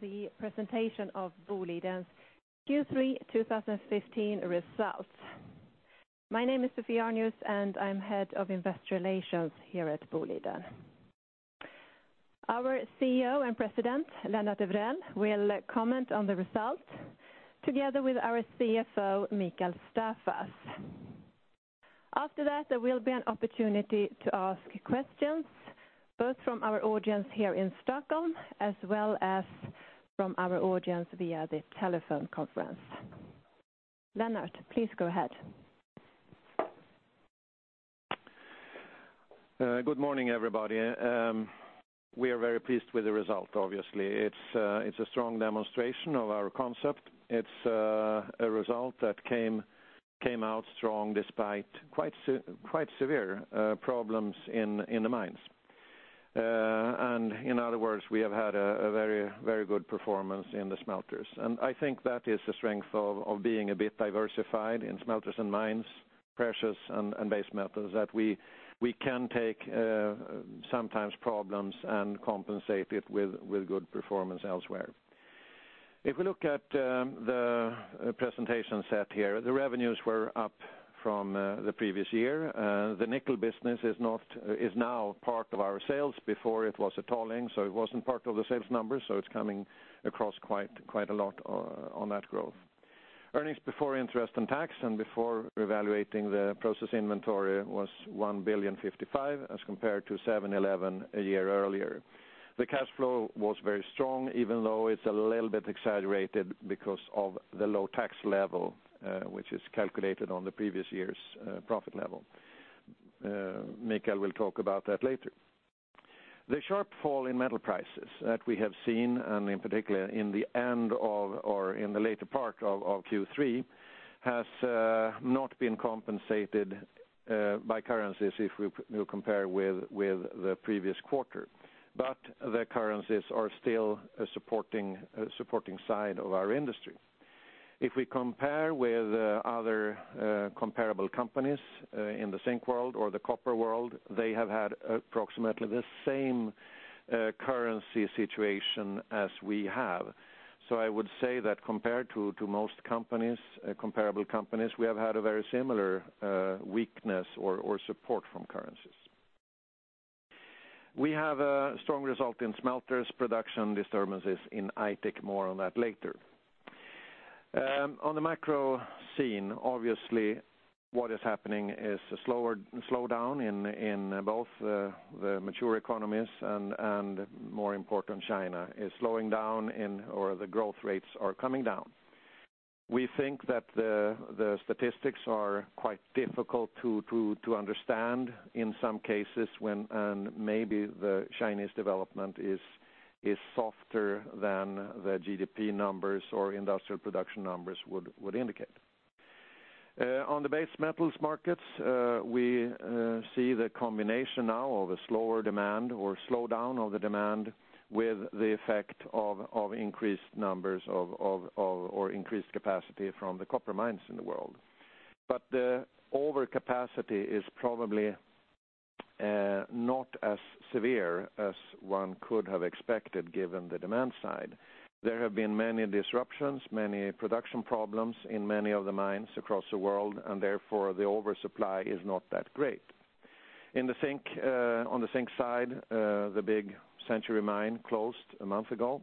To the presentation of Boliden's Q3 2015 results. My name is Sophie Arnius, and I am Head of Investor Relations here at Boliden. Our CEO and President, Lennart Evrell, will comment on the results together with our CFO, Mikael Staffas. After that, there will be an opportunity to ask questions, both from our audience here in Stockholm as well as from our audience via the telephone conference. Lennart, please go ahead. Good morning, everybody. We are very pleased with the result, obviously. It is a strong demonstration of our concept. It is a result that came out strong despite quite severe problems in the mines. In other words, we have had a very good performance in the smelters. I think that is the strength of being a bit diversified in smelters and mines, precious and base metals, that we can take sometimes problems and compensate it with good performance elsewhere. If we look at the presentation set here, the revenues were up from the previous year. The nickel business is now part of our sales. Before it was a tolling, so it was not part of the sales numbers, so it is coming across quite a lot on that growth. Earnings before interest and tax and before revaluating the process inventory was 1,055 million as compared to 711 a year earlier. The cash flow was very strong, even though it is a little bit exaggerated because of the low tax level, which is calculated on the previous year's profit level. Mikael will talk about that later. The sharp fall in metal prices that we have seen, in particular in the end of or in the later part of Q3, has not been compensated by currencies if we compare with the previous quarter. The currencies are still a supporting side of our industry. If we compare with other comparable companies in the zinc world or the copper world, they have had approximately the same currency situation as we have. I would say that compared to most comparable companies, we have had a very similar weakness or support from currencies. We have a strong result in smelters production, disturbances in Aitik, more on that later. On the macro scene, obviously, what is happening is a slowdown in both the mature economies and more important, China is slowing down or the growth rates are coming down. We think that the statistics are quite difficult to understand in some cases when maybe the Chinese development is softer than the GDP numbers or industrial production numbers would indicate. On the base metals markets, we see the combination now of a slower demand or slowdown of the demand with the effect of increased numbers or increased capacity from the copper mines in the world. The overcapacity is probably not as severe as one could have expected given the demand side. There have been many disruptions, many production problems in many of the mines across the world. Therefore, the oversupply is not that great. On the zinc side, the big Century Mine closed a month ago.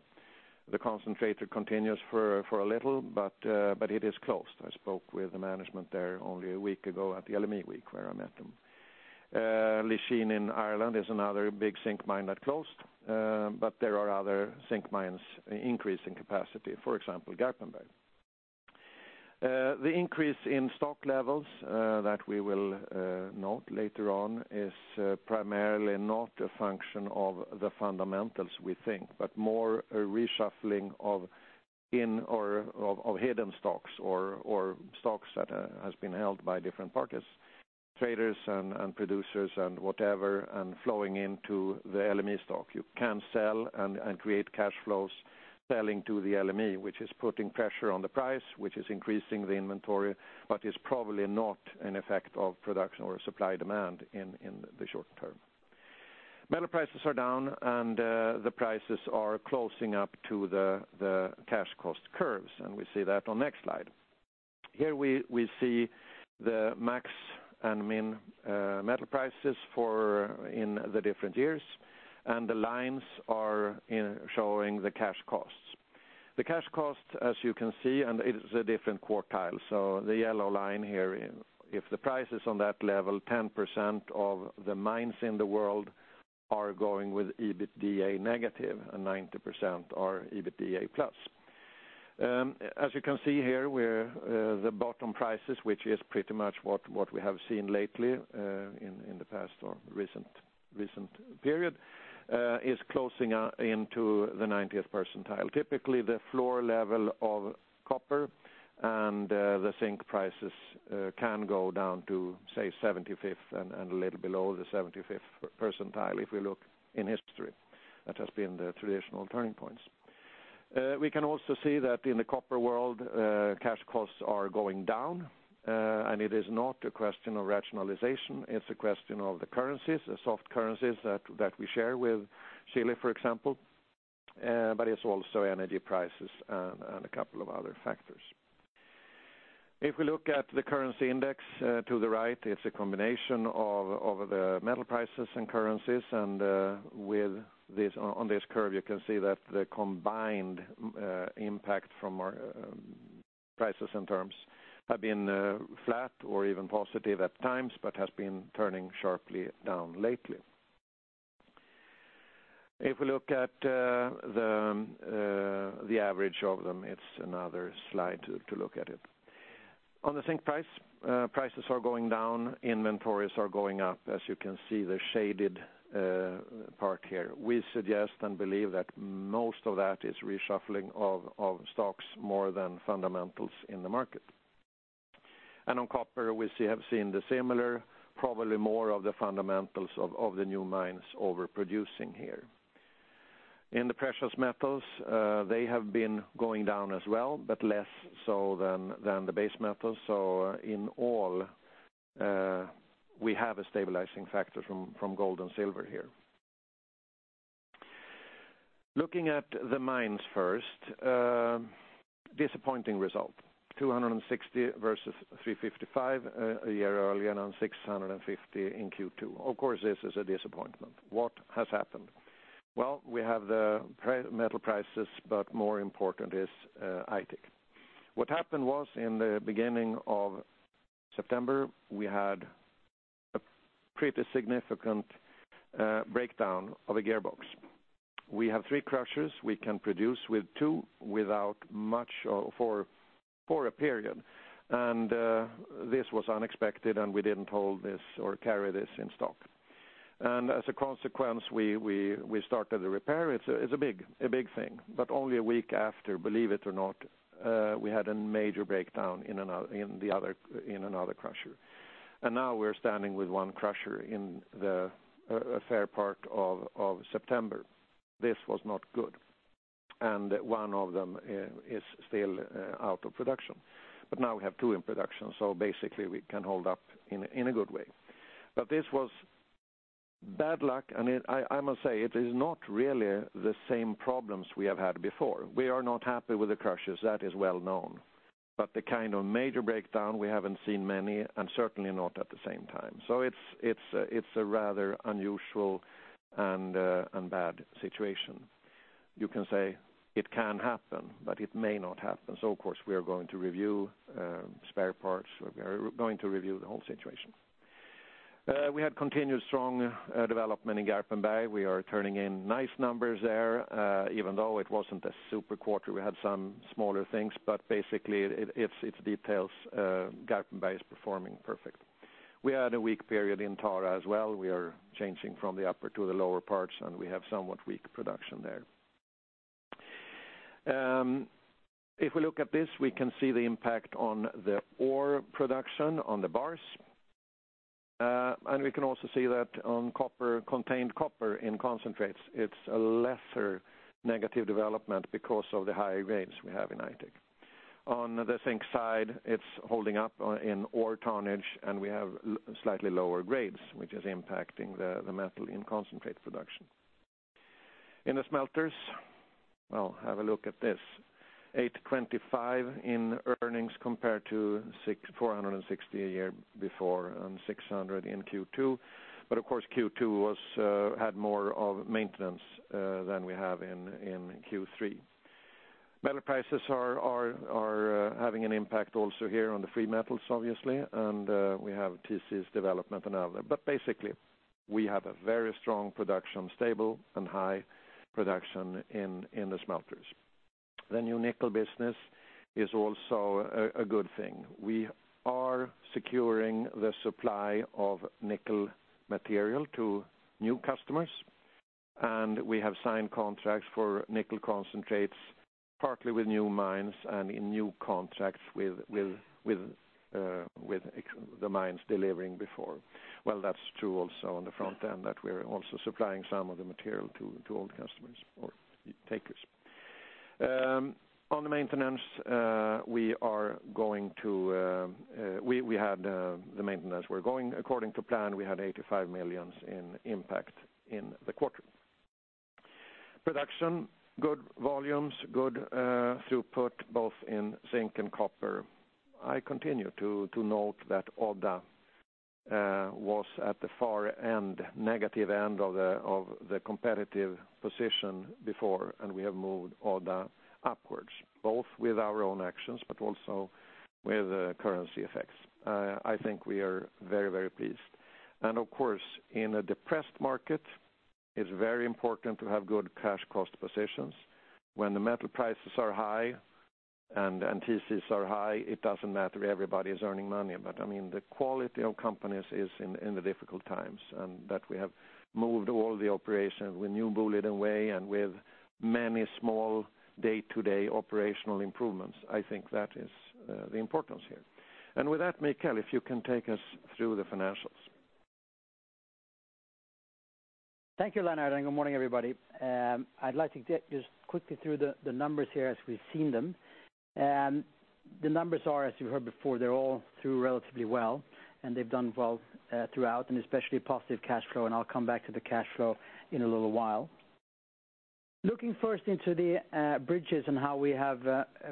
The concentrator continues for a little, but it is closed. I spoke with the management there only a week ago at the LME Week where I met them. Lisheen in Ireland is another big zinc mine that closed, but there are other zinc mines increasing capacity, for example, Garpenberg. The increase in stock levels that we will note later on is primarily not a function of the fundamentals we think, but more a reshuffling of hidden stocks or stocks that has been held by different parties, traders and producers and whatever, and flowing into the LME stock. You can sell and create cash flows selling to the LME, which is putting pressure on the price, which is increasing the inventory, but is probably not an effect of production or supply demand in the short term. Metal prices are down. The prices are closing up to the cash cost curves, and we see that on next slide. Here we see the max and min metal prices in the different years. The lines are showing the cash costs. The cash cost, as you can see, it is a different quartile. The yellow line here, if the price is on that level, 10% of the mines in the world are going with EBITDA negative and 90% are EBITDA plus. As you can see here, the bottom prices, which is pretty much what we have seen lately in the past or recent period, is closing into the 90th percentile. Typically, the floor level of copper and zinc prices can go down to, say, 75th and a little below the 75th percentile, if we look in history. That has been the traditional turning points. We can also see that in the copper world, cash costs are going down. It is not a question of rationalization, it's a question of the currencies, the soft currencies that we share with Chile, for example, but it's also energy prices and a couple of other factors. If we look at the currency index to the right, it's a combination of the metal prices and currencies. On this curve, you can see that the combined impact from our prices in terms have been flat or even positive at times, but has been turning sharply down lately. If we look at the average of them, it's another slide to look at it. On the zinc price, prices are going down, inventories are going up. As you can see, the shaded part here. We suggest and believe that most of that is reshuffling of stocks more than fundamentals in the market. On copper, we have seen the similar, probably more of the fundamentals of the new mines overproducing here. In the precious metals, they have been going down as well, but less so than the base metals. In all, we have a stabilizing factor from gold and silver here. Looking at the mines first. Disappointing result. 260 versus 355 a year earlier, on 650 in Q2. Of course, this is a disappointment. What has happened? Well, we have the metal prices, but more important is Aitik. What happened was, in the beginning of September, we had a pretty significant breakdown of a gearbox. We have three crushers. We can produce with two for a period. This was unexpected, and we didn't hold this or carry this in stock. As a consequence, we started the repair. It's a big thing. Only a week after, believe it or not, we had a major breakdown in another crusher. Now we're standing with one crusher in a fair part of September. This was not good. One of them is still out of production. Now we have two in production, so basically we can hold up in a good way. This was bad luck, and I must say it is not really the same problems we have had before. We are not happy with the crushers. That is well known. The kind of major breakdown, we haven't seen many, and certainly not at the same time. It's a rather unusual and bad situation. You can say it can happen, but it may not happen. Of course, we are going to review spare parts. We're going to review the whole situation. We had continued strong development in Garpenberg. We are turning in nice numbers there. Even though it wasn't a super quarter, we had some smaller things. Basically, it's details. Garpenberg is performing perfect. We had a weak period in Tara as well. We are changing from the upper to the lower parts, and we have somewhat weak production there. If we look at this, we can see the impact on the ore production on the bars. We can also see that on contained copper in concentrates, it's a lesser negative development because of the higher grades we have in Aitik. On the zinc side, it's holding up in ore tonnage, and we have slightly lower grades, which is impacting the metal in concentrate production. In the smelters, well, have a look at this. 825 in earnings compared to 460 a year before, and 600 in Q2. Of course, Q2 had more of maintenance than we have in Q3. Metal prices are having an impact also here on the free metals, obviously, and we have TC's development and other. Basically, we have a very strong production, stable and high production in the smelters. The new nickel business is also a good thing. We are securing the supply of nickel material to new customers, and we have signed contracts for nickel concentrates, partly with new mines and in new contracts with the mines delivering before. Well, that's true also on the front end that we're also supplying some of the material to old customers or takers. On the maintenance, we had the maintenance. We're going according to plan. We had 85 million in impact in the quarter. Production, good volumes, good throughput both in zinc and copper. I continue to note that Odda was at the far end, negative end of the competitive position before, and we have moved Odda upwards, both with our own actions but also with currency effects. I think we are very, very pleased. Of course, in a depressed market, it's very important to have good cash cost positions. When the metal prices are high and TCs are high, it doesn't matter. Everybody's earning money. The quality of companies is in the difficult times, and that we have moved all the operations with new Boliden away and with many small day-to-day operational improvements. I think that is the importance here. With that, Mikael, if you can take us through the financials. Thank you, Lennart, and good morning, everybody. I'd like to get just quickly through the numbers here as we've seen them. The numbers are, as you heard before, they're all through relatively well. They've done well throughout. Especially positive cash flow, I'll come back to the cash flow in a little while. Looking first into the bridges and how we have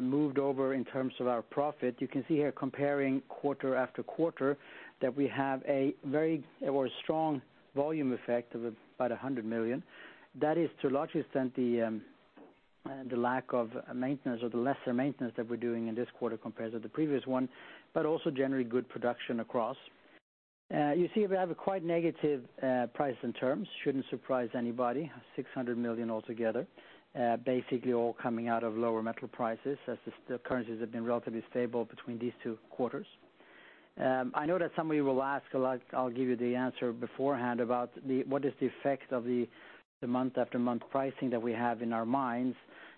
moved over in terms of our profit, you can see here comparing quarter after quarter that we have a very strong volume effect of about 100 million. That is to a large extent the lack of maintenance or the lesser maintenance that we're doing in this quarter compared to the previous one. Also generally good production across. You see we have a quite negative price in terms. Shouldn't surprise anybody, 600 million altogether, basically all coming out of lower metal prices as the currencies have been relatively stable between these two quarters. I know that somebody will ask, I'll give you the answer beforehand about what is the effect of the month after month pricing that we have in our minds.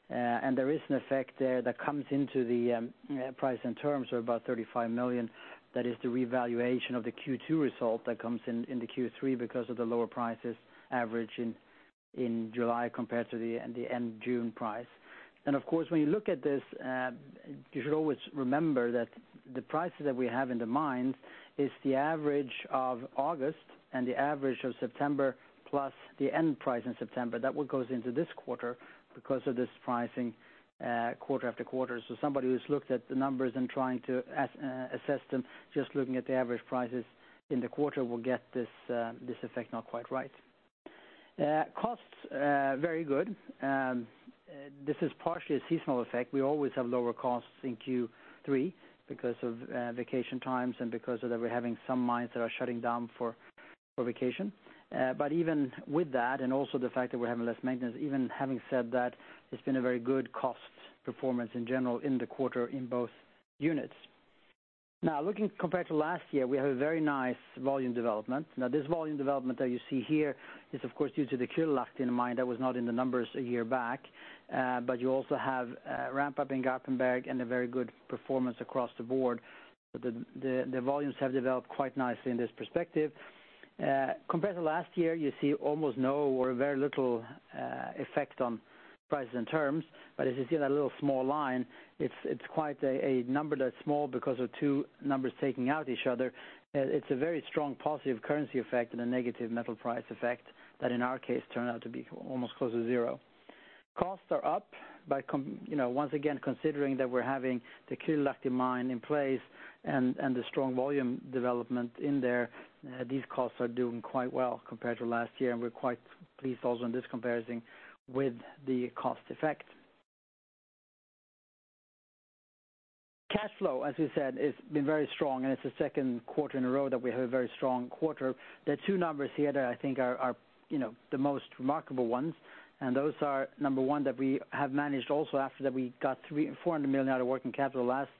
There is an effect there that comes into the price and terms of about 35 million. That is the revaluation of the Q2 result that comes in the Q3 because of the lower prices averaging in July compared to the end June price. Of course, when you look at this, you should always remember that the prices that we have in the mind is the average of August and the average of September, plus the end price in September. That goes into this quarter because of this pricing quarter after quarter. Somebody who's looked at the numbers and trying to assess them, just looking at the average prices in the quarter will get this effect not quite right. Costs, very good. This is partially a seasonal effect. We always have lower costs in Q3 because of vacation times and because we're having some mines that are shutting down for vacation. Even with that, and also the fact that we're having less maintenance, even having said that, it's been a very good cost performance in general in the quarter in both units. Looking compared to last year, we have a very nice volume development. This volume development that you see here is of course due to the Kylylahti mine that was not in the numbers a year back. You also have ramp-up in Garpenberg and a very good performance across the board. The volumes have developed quite nicely in this perspective. Compared to last year, you see almost no or very little effect on prices and terms. As you see that little small line, it's quite a number that's small because of two numbers taking out each other. It's a very strong positive currency effect and a negative metal price effect that in our case turned out to be almost close to zero. Costs are up. Once again, considering that we're having the Kylylahti mine in place and the strong volume development in there, these costs are doing quite well compared to last year. We're quite pleased also in this comparison with the cost effect. Cash flow, as we said, has been very strong. It's the second quarter in a row that we have a very strong quarter. There are two numbers here that I think are the most remarkable ones, and those are number one, that we have managed also after that we got 400 million out of working capital last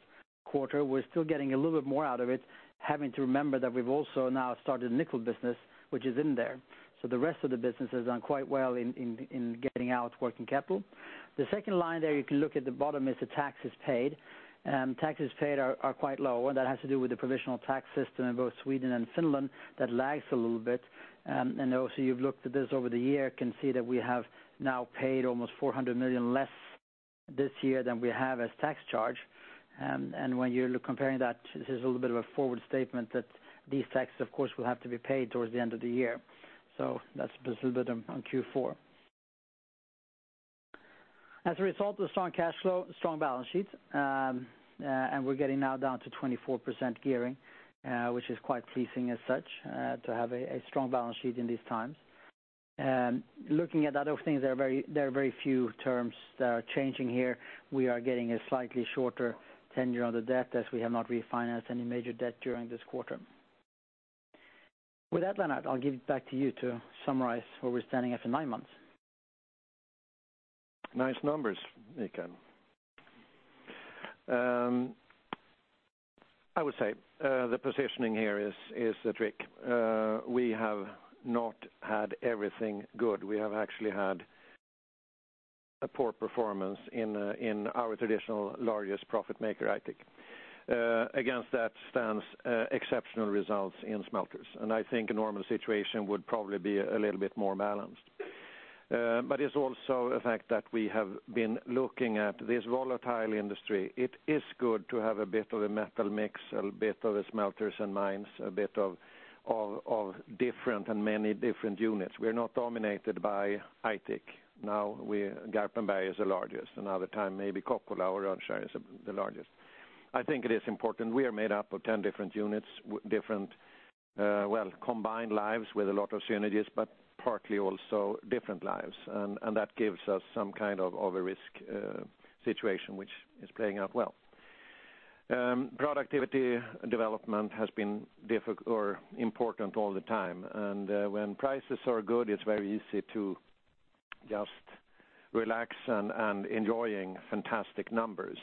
quarter. We're still getting a little bit more out of it. Having to remember that we've also now started a nickel business, which is in there. The rest of the business has done quite well in getting out working capital. The second line there you can look at the bottom is the taxes paid. Taxes paid are quite low, and that has to do with the provisional tax system in both Sweden and Finland that lags a little bit. You've looked at this over the year, can see that we have now paid almost 400 million less this year than we have as tax charge. When you're comparing that, this is a little bit of a forward statement that these taxes, of course, will have to be paid towards the end of the year. That's a little bit on Q4. As a result of strong cash flow, strong balance sheets, and we're getting now down to 24% gearing, which is quite pleasing as such, to have a strong balance sheet in these times. Looking at other things, there are very few terms that are changing here. We are getting a slightly shorter tenure on the debt as we have not refinanced any major debt during this quarter. With that, Lennart, I'll give it back to you to summarize where we're standing after nine months. Nice numbers, Mikael. I would say the positioning here is the trick. We have not had everything good. We have actually had a poor performance in our traditional largest profit maker, Aitik. Against that stands exceptional results in smelters, and I think a normal situation would probably be a little bit more balanced. It's also a fact that we have been looking at this volatile industry. It is good to have a bit of a metal mix, a bit of the smelters and mines, a bit of different and many different units. We're not dominated by Aitik now. Garpenberg is the largest. Another time, maybe Kokkola or Rönnskär is the largest. I think it is important. We are made up of 10 different units, different combined lives with a lot of synergies, but partly also different lives. That gives us some kind of a risk situation which is playing out well. Productivity development has been difficult or important all the time, and when prices are good, it's very easy to just relax and enjoying fantastic numbers.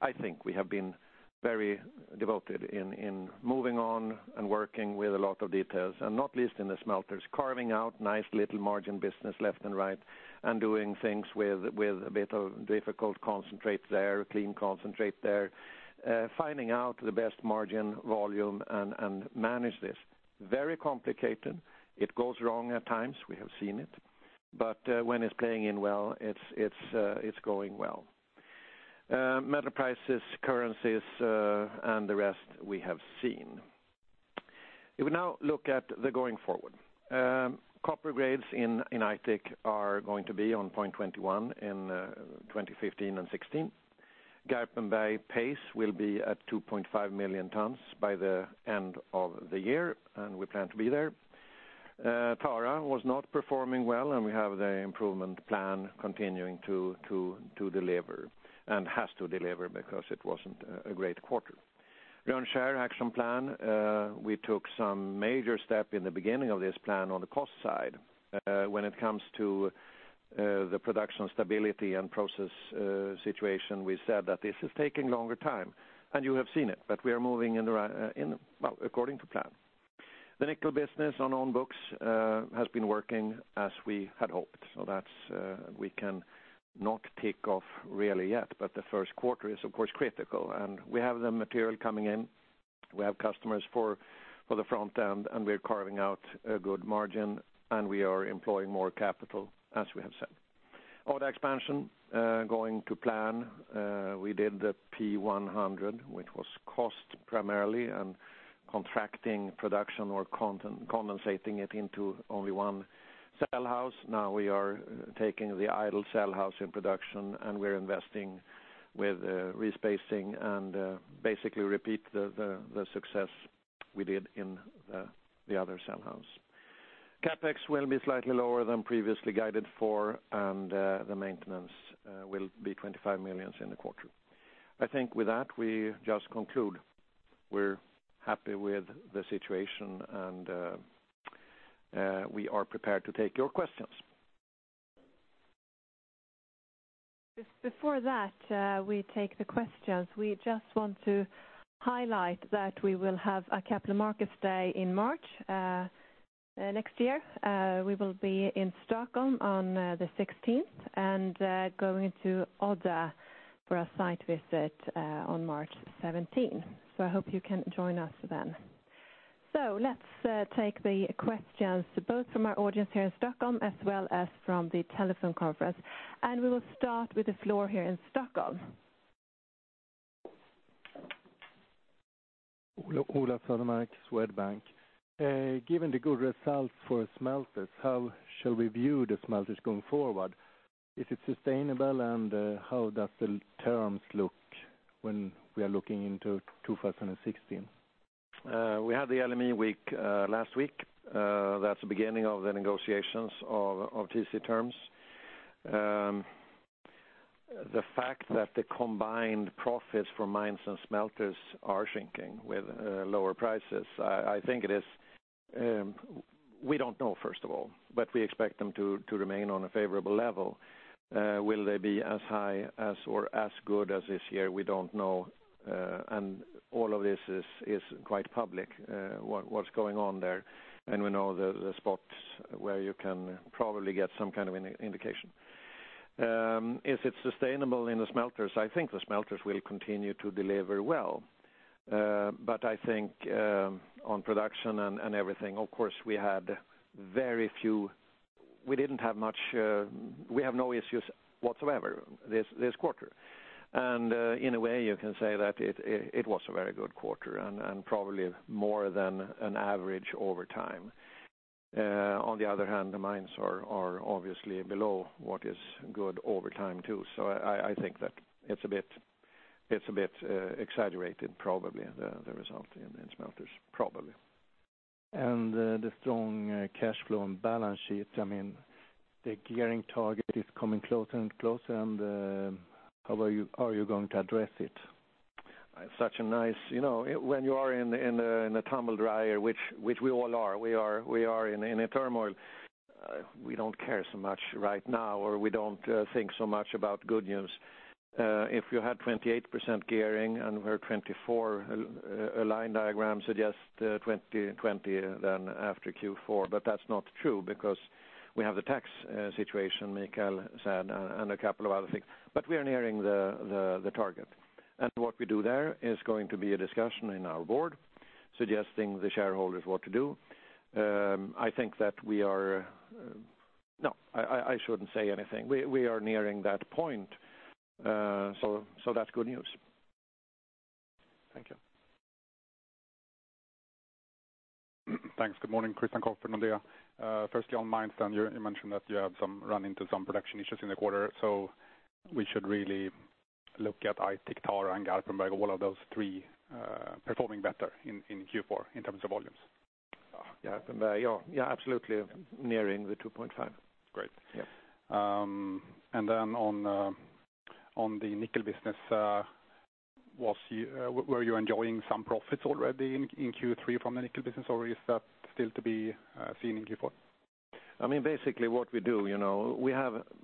I think we have been very devoted in moving on and working with a lot of details, and not least in the smelters, carving out nice little margin business left and right and doing things with a bit of difficult concentrate there, clean concentrate there, finding out the best margin volume and manage this. Very complicated. It goes wrong at times. We have seen it. When it's playing in well, it's going well. Metal prices, currencies, and the rest we have seen. We will now look at the going forward. Copper grades in Aitik are going to be on 0.21 in 2015 and 2016. Garpenberg pace will be at 2.5 million tons by the end of the year, and we plan to be there. Tara was not performing well, and we have the improvement plan continuing to deliver, and has to deliver because it wasn't a great quarter. On share action plan, we took some major step in the beginning of this plan on the cost side. When it comes to the production stability and process situation, we said that this is taking longer time, and you have seen it, but we are moving according to plan. The nickel business on own books has been working as we had hoped. That we can not tick off really yet, but the first quarter is of course critical and we have the material coming in. We have customers for the front end, and we're carving out a good margin, and we are employing more capital as we have said. Odda expansion going to plan. We did the P100, which was cost primarily and contracting production or condensating it into only one cell house. Now we are taking the idle cell house in production, and we're investing with respacing and basically repeat the success we did in the other cell house. CapEx will be slightly lower than previously guided for, and the maintenance will be 25 million in the quarter. I think with that, we just conclude. We're happy with the situation, and we are prepared to take your questions. Before that we take the questions, we just want to highlight that we will have a capital markets day in March next year. We will be in Stockholm on the 16th and going to Odda for a site visit on March 17. I hope you can join us then. Let's take the questions both from our audience here in Stockholm as well as from the telephone conference. We will start with the floor here in Stockholm. Ola Södermark, Swedbank. Given the good results for smelters, how shall we view the smelters going forward? Is it sustainable? How does the terms look when we are looking into 2016? We had the LME week last week. That's the beginning of the negotiations of TC terms. The fact that the combined profits for mines and smelters are shrinking with lower prices, we don't know, first of all, but we expect them to remain on a favorable level. Will they be as high as or as good as this year? We don't know. All of this is quite public, what's going on there, and we know the spots where you can probably get some kind of an indication. Is it sustainable in the smelters? I think the smelters will continue to deliver well. I think on production and everything, of course we didn't have much. We have no issues whatsoever this quarter. In a way you can say that it was a very good quarter and probably more than an average over time. On the other hand, the mines are obviously below what is good over time too. I think that it's a bit exaggerated probably the result in smelters probably. The strong cash flow and balance sheet, the gearing target is coming closer and closer. How are you going to address it? When you are in a tumble dryer, which we all are, we are in a turmoil. We don't care so much right now, or we don't think so much about good news. If you had 28% gearing and we're 24%, a line diagram suggest 20% then after Q4, but that's not true because we have the tax situation Mikael said and a couple of other things, but we are nearing the target. What we do there is going to be a discussion in our board suggesting the shareholders what to do. No, I shouldn't say anything. We are nearing that point. That's good news. Thank you. Thanks. Good morning, Christian Kopp from D.A. Firstly, on mines then you mentioned that you have run into some production issues in the quarter. We should really look at Aitik, Tara, and Garpenberg, all of those three performing better in Q4 in terms of volumes. Garpenberg, yeah. Absolutely. Nearing the 2.5. Great. Yep. Then on the nickel business, were you enjoying some profits already in Q3 from the nickel business, or is that still to be seen in Q4? Basically what we do,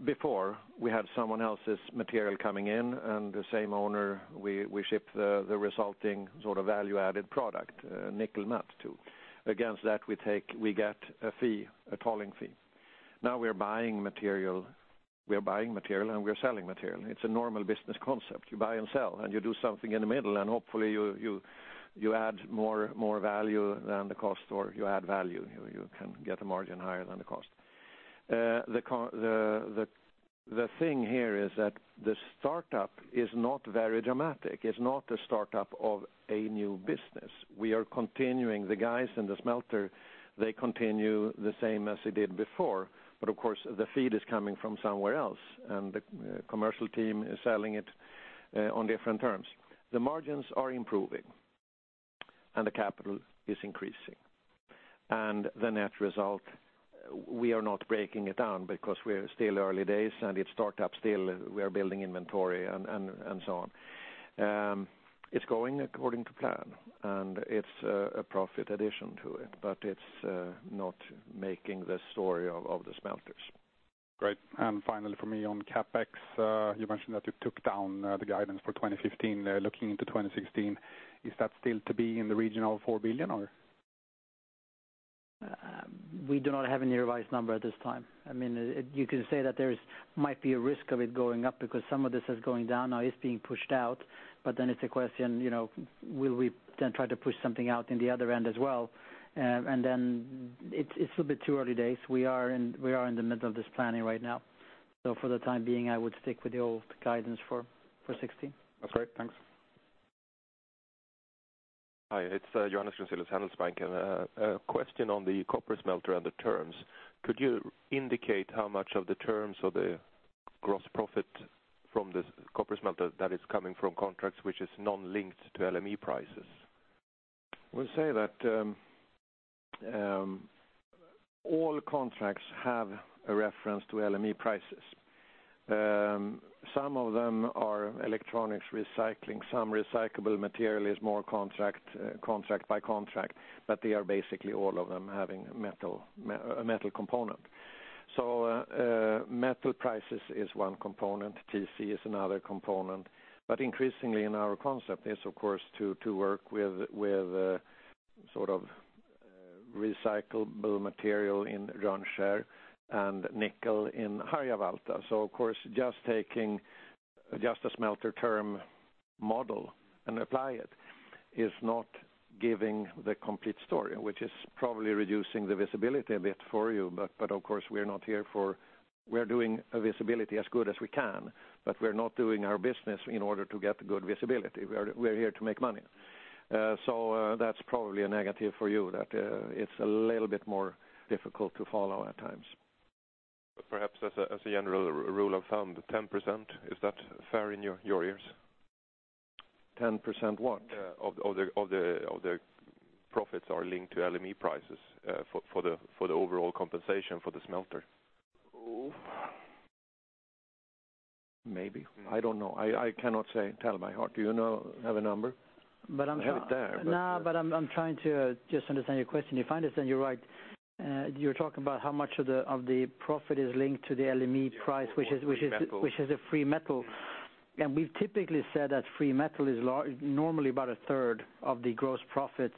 before we had someone else's material coming in and the same owner, we ship the resulting sort of value added product, nickel matte too. Against that, we get a tolling fee. Now we are buying material and we are selling material. It's a normal business concept. You buy and sell, and you do something in the middle and hopefully you add more value than the cost, or if you add value, you can get a margin higher than the cost. The thing here is that the startup is not very dramatic. It's not a startup of a new business. We are continuing. The guys in the smelter continue the same as they did before, but of course, the feed is coming from somewhere else, and the commercial team is selling it on different terms. The margins are improving, and the capital is increasing. The net result, we are not breaking it down because we're still early days and it's still a startup. We are building inventory and so on. It's going according to plan, and it's a profit addition to it, but it's not making the story of the smelters. Great. Finally from me on CapEx, you mentioned that you took down the guidance for 2015. Looking into 2016, is that still to be in the region of 4 billion, or? We do not have any revised number at this time. You can say that there might be a risk of it going up because some of this that's going down now is being pushed out. It's a question, will we then try to push something out in the other end as well? It's a bit too early days. We are in the middle of this planning right now. For the time being, I would stick with the old guidance for 2016. That's great. Thanks. Hi, it's Johannes Gunzilius, Handelsbanken. A question on the copper smelter and the terms. Could you indicate how much of the terms of the gross profit from this copper smelter that is coming from contracts which is non-linked to LME prices? We'll say that all contracts have a reference to LME prices. Some of them are electronics recycling, some recyclable material is more contract by contract, but they are basically all of them having a metal component. Metal prices is one component, TC is another component. Increasingly in our concept is, of course, to work with recyclable material in Rönnskär and nickel in Harjavalta. Of course, just taking just a smelter term model and apply it is not giving the complete story, which is probably reducing the visibility a bit for you. Of course, we're doing visibility as good as we can, but we're not doing our business in order to get good visibility. We're here to make money. That's probably a negative for you, that it's a little bit more difficult to follow at times. Perhaps as a general rule of thumb, 10%, is that fair in your ears? 10% what? Of the profits are linked to LME prices for the overall compensation for the smelter. Maybe. I don't know. I cannot say. Tell, my heart. Do you have a number? I'm- I have it there. I'm trying to just understand your question. If I understand you right, you're talking about how much of the profit is linked to the LME price. Yeah, or free metal. which is the free metal. We've typically said that free metal is normally about a third of the gross profit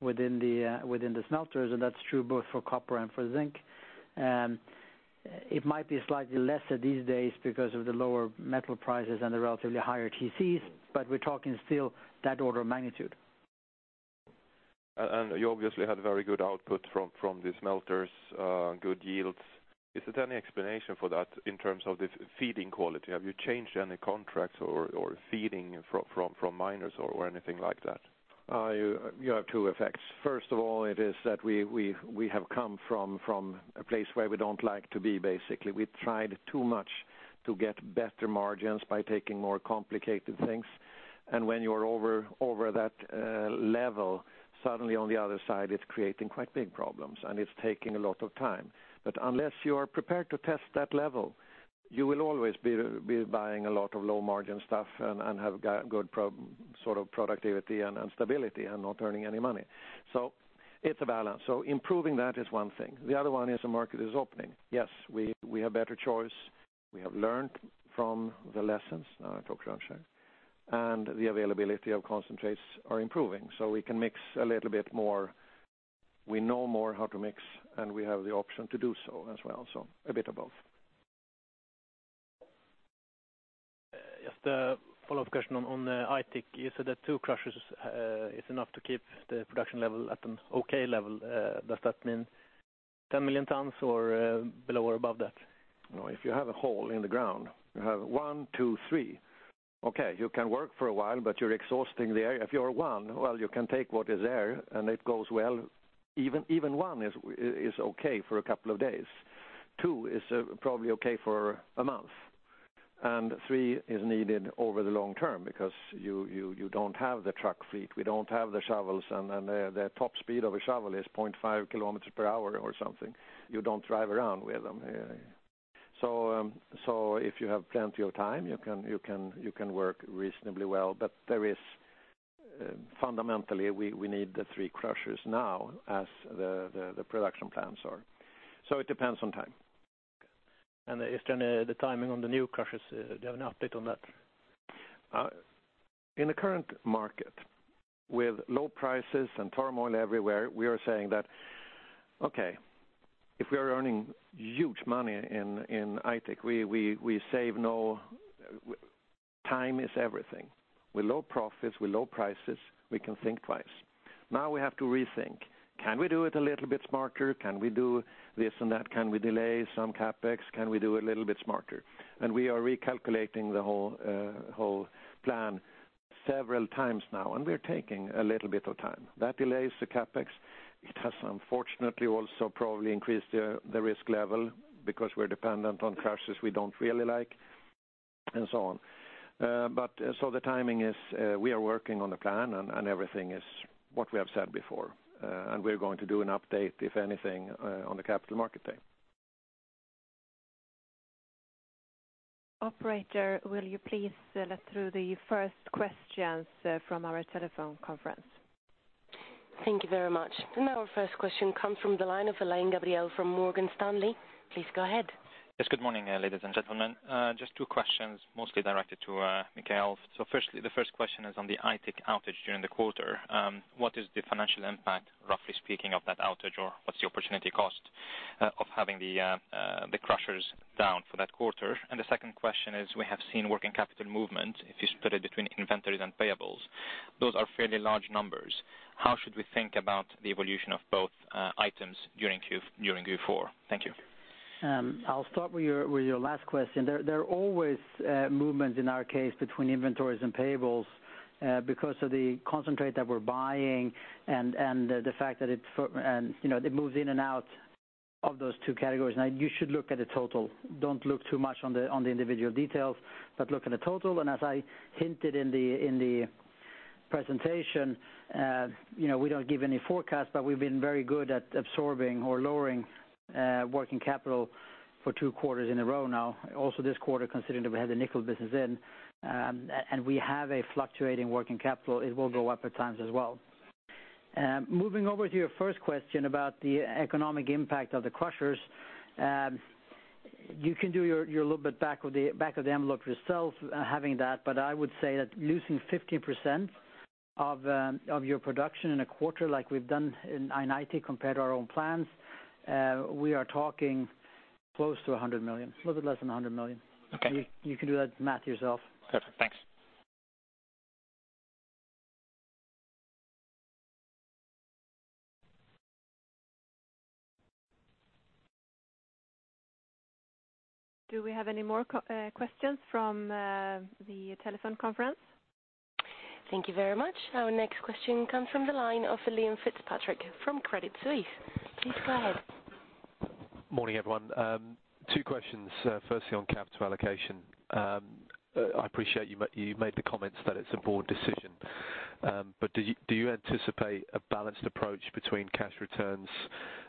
within the smelters, and that's true both for copper and for zinc. It might be slightly lesser these days because of the lower metal prices and the relatively higher TCs, but we're talking still that order of magnitude. You obviously had very good output from the smelters, good yields. Is there any explanation for that in terms of the feeding quality? Have you changed any contracts or feeding from miners or anything like that? You have two effects. First of all, it is that we have come from a place where we don't like to be, basically. We tried too much to get better margins by taking more complicated things. When you're over that level, suddenly on the other side, it's creating quite big problems, and it's taking a lot of time. Unless you are prepared to test that level, you will always be buying a lot of low-margin stuff and have good productivity and stability and not earning any money. It's a balance. Improving that is one thing. The other one is the market is opening. Yes, we have better choice. We have learned from the lessons, and I talk Rönnskär, and the availability of concentrates are improving, so we can mix a little bit more. We know more how to mix, and we have the option to do so as well. A bit of both. Just a follow-up question on Aitik. You said that two crushers is enough to keep the production level at an okay level. Does that mean 10 million tons or below or above that? If you have a hole in the ground, you have one, two, three. Okay, you can work for a while, but you're exhausting the area. If you're one, well, you can take what is there and it goes well. Even one is okay for a couple of days. Two is probably okay for a month, and three is needed over the long term because you don't have the truck fleet. We don't have the shovels, and the top speed of a shovel is 0.5 kilometers per hour or something. You don't drive around with them. If you have plenty of time, you can work reasonably well. Fundamentally, we need the three crushers now as the production plans are. It depends on time. Is there any, the timing on the new crushers, do you have an update on that? In the current market with low prices and turmoil everywhere, we are saying that, okay, if we are earning huge money in Aitik, we save no Time is everything. With low profits, with low prices, we can think twice. Now we have to rethink. Can we do it a little bit smarter? Can we do this and that? Can we delay some CapEx? Can we do a little bit smarter? We are recalculating the whole plan several times now, and we're taking a little bit of time. That delays the CapEx. It has unfortunately also probably increased the risk level because we're dependent on crushers we don't really like, and so on. The timing is we are working on the plan and everything is what we have said before. We're going to do an update, if anything, on the Capital Markets Day. Operator, will you please let through the first questions from our telephone conference? Thank you very much. Our first question comes from the line of Alain Gabriel from Morgan Stanley. Please go ahead. Yes. Good morning, ladies and gentlemen. Just two questions, mostly directed to Mikael. Firstly, the first question is on the Aitik outage during the quarter. What is the financial impact, roughly speaking, of that outage? Or what's the opportunity cost of having the crushers down for that quarter? The second question is, we have seen working capital movement. If you split it between inventories and payables, those are fairly large numbers. How should we think about the evolution of both items during Q4? Thank you. I'll start with your last question. There are always movements in our case between inventories and payables because of the concentrate that we're buying and the fact that it moves in and out of those two categories. You should look at the total. Don't look too much on the individual details, but look at the total. As I hinted in the presentation, we don't give any forecast, but we've been very good at absorbing or lowering working capital for two quarters in a row now. Also, this quarter, considering that we had the nickel business in, and we have a fluctuating working capital, it will go up at times as well. Moving over to your first question about the economic impact of the crushers. You can do your little bit back of the envelope yourself having that, but I would say that losing 15% of your production in a quarter like we've done in Aitik compared to our own plans, we are talking close to 100 million, a little bit less than 100 million. Okay. You can do that math yourself. Perfect. Thanks. Do we have any more questions from the telephone conference? Thank you very much. Our next question comes from the line of Liam Fitzpatrick from Credit Suisse. Please go ahead. Morning, everyone. Two questions. Firstly, on capital allocation. I appreciate you made the comments that it's a board decision. Do you anticipate a balanced approach between cash returns